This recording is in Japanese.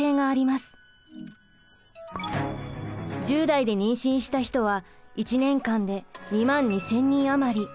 １０代で妊娠した人は１年間で２万２，０００人余り。